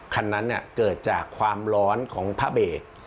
คันนั้นเกิดจากความร้อนของพระเบรก